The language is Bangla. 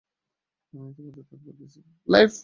আমি ইতিমধ্যে তাদের বাদ দিয়েছি।